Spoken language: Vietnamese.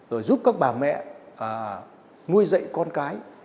rồi giúp các bà mẹ nuôi dạy con cái